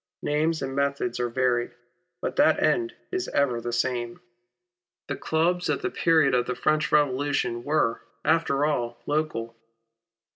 Names and methods are varied, but that end is ever the same. The clubs at the period of the French Revolution were, after all, local.